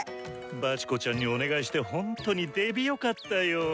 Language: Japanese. バチコちゃんにお願いしてほんとにデビよかったよ！